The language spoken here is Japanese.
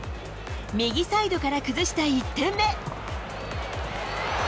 右サイドから崩した１点目。